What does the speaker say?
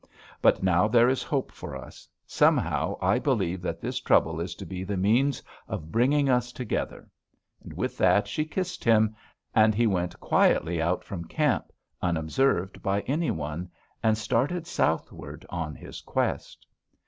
But now there is hope for us; somehow I believe that this trouble is to be the means of bringing us together.' And with that she kissed him, and he went quietly out from camp, unobserved by any one, and started southward on his quest.